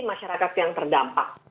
masyarakat yang terdampak